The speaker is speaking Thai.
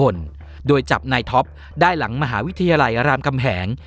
กันกับนายบัญญินอีกคนโดยจับนายท็อปได้หลังมหาวิทยาลัยรามกำแหง